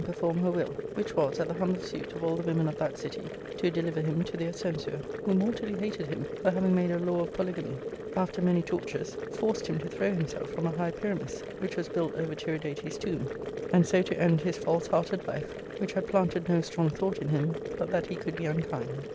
perform her will, which was, at the humble suit of all the women of that city, to deliver him to their censure, who mortally hated him for having made a law of polygamy, after J many tortures, forced him to throw himself from a high pyramis,* which was built over Tiridates' tomb, and so to end his false hearted life, which had planted no strong thought in him, but that he could be unkind.